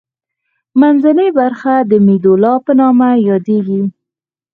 منځنۍ برخه د میدولا په نامه یادیږي.